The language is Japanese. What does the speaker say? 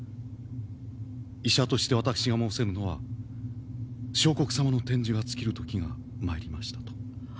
医者として私が申せるのは相国様の天寿が尽きる時が参りましたと。